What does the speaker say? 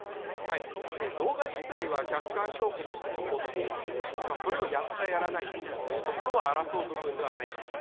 動画自体は客観証拠として残っているので、それをやったやらないというところは、争う部分ではないかなと。